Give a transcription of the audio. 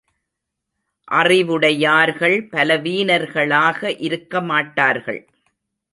அறிவுடையார்கள் பலவீனர்களாக இருக்கமாட்டார்கள்.